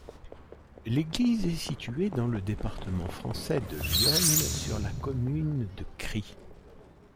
L'église est située dans le département français de l'Yonne, sur la commune de Cry.